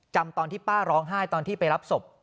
จำตอนที่ป้าร้องไห้ตอนที่ไปรับศพ